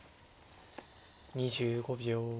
２５秒。